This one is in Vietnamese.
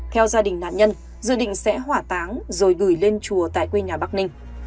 theo gia đình nạn nhân dự định sẽ hỏa táng rồi gửi lên chùa tại quê nhà bắc ninh